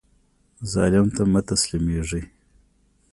ظالم ته مه تسلیمیږئ